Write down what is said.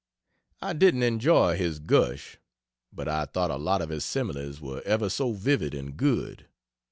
I didn't enjoy his gush, but I thought a lot of his similes were ever so vivid and good.